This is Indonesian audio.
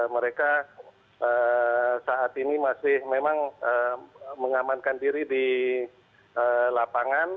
mereka saat ini masih memang mengamankan diri di lapangan